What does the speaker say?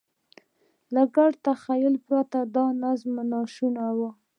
له ګډ تخیل پرته دا نظم شونی نه و.